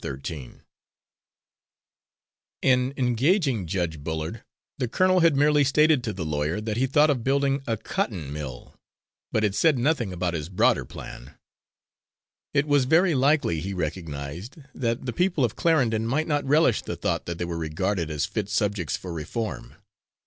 Thirteen In engaging Judge Bullard, the colonel had merely stated to the lawyer that he thought of building a cotton mill, but had said nothing about his broader plan. It was very likely, he recognised, that the people of Clarendon might not relish the thought that they were regarded as fit subjects for reform.